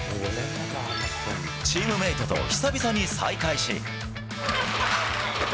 チームメートと久々に再会し。